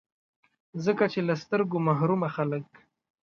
ځکه چي له سترګو محرومه خلګ